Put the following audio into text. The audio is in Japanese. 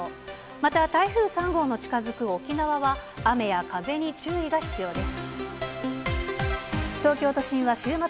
また台風３号の近づく沖縄は、雨や風に注意が必要です。